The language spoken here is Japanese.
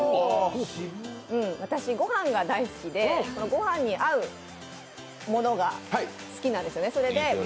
私、御飯が大好きで、御飯に合うものが好きなんですね。